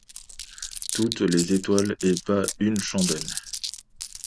Toutes les étoiles, et pas une chandelle.